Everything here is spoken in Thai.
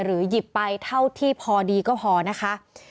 หยิบไปเท่าที่พอดีก็พอนะคะ